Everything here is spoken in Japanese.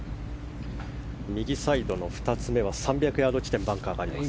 右サイドの２つ目は３００ヤード近くにバンカーがあります。